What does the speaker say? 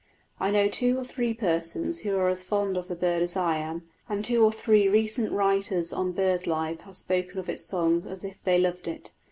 I know two or three persons who are as fond of the bird as I am; and two or three recent writers on bird life have spoken of its song as if they loved it.